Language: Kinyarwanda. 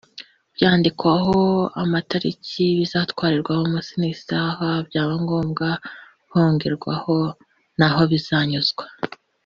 rwandikwa amatariki bizatwarirwaho umunsi n’isaha byabangombwa hongirwaho n’ahobizanyuzwa